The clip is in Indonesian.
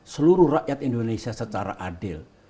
seluruh rakyat indonesia secara adil